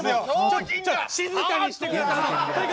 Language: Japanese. ちょっと静かにしてください！